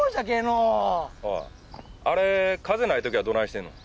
おいあれ風ない時はどないしてんのん？